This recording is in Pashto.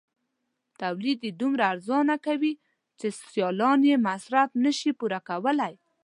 تولید یې دومره ارزانه کوي چې سیالان یې مصارف نشي پوره کولای.